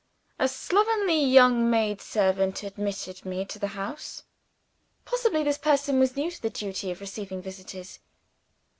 A slovenly young maid servant admitted me to the house. Possibly, this person was new to the duty of receiving visitors.